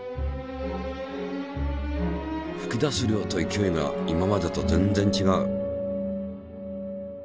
ふき出す量と勢いが今までと全然ちがう。